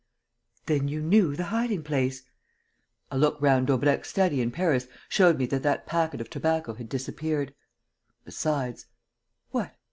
"Then you knew the hiding place?" "A look round Daubrecq's study in Paris showed me that that packet of tobacco had disappeared. Besides...." "What?"